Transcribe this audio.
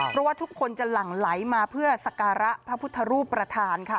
เพราะว่าทุกคนจะหลั่งไหลมาเพื่อสการะพระพุทธรูปประธานค่ะ